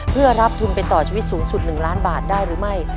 เพื่อรับทุนไปต่อชีวิตสูงสุด๑ล้านบาทได้หรือไม่